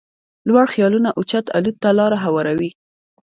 لوړ خيالونه اوچت الوت ته لاره هواروي.